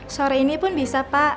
sore ini pun bisa pak